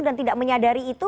dan tidak menyadari itu